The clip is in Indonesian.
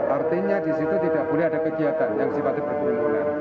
artinya di situ tidak boleh ada kegiatan yang sifatnya berkerumunan